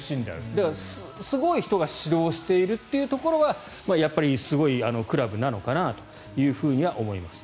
だからすごい人が指導しているっていうところはやっぱりすごいクラブなのかなというふうには思います。